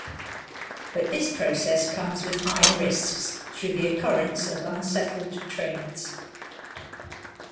But this process comes with higher risks through the occurrence of unsettled trades.